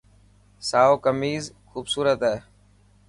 سائو ڪميز خوبصورت هي.